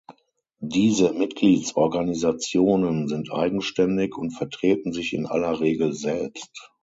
Diese Mitgliedsorganisationen sind eigenständig und vertreten sich in aller Regel selbst.